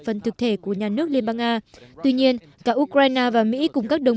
phần thực thể của nhà nước liên bang nga tuy nhiên cả ukraine và mỹ cùng các đồng